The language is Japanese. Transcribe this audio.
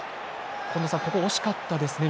今野さん、ここ惜しかったですね